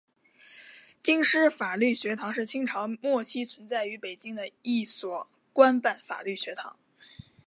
京师法律学堂是清朝末期存在于北京的一所官办法律学堂。